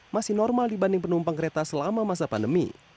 masih normal dibanding penumpang kereta selama masa pandemi